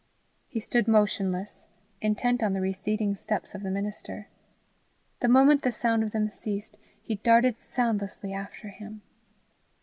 He stood motionless, intent on the receding steps of the minister. The moment the sound of them ceased, he darted soundless after him.